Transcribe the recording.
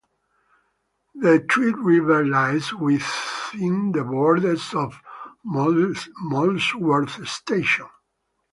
The Tweed River lies within the borders of Molesworth Station.